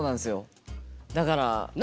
だから。